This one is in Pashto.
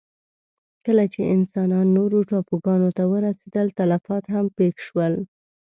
کله چې انسانان نورو ټاپوګانو ته ورسېدل، تلفات هم پېښ شول.